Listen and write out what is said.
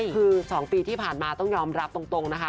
คือ๒ปีที่ผ่านมาต้องยอมรับตรงนะคะ